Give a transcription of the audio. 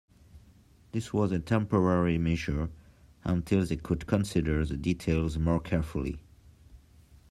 This was a temporary measure until they could consider the details more carefully.